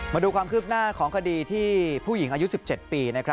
มาดูความคืบหน้าของคดีที่ผู้หญิงอายุ๑๗ปี